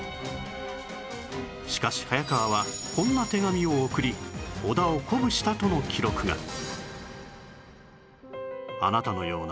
しかし早川はこんな手紙を送り小田を鼓舞したとの記録が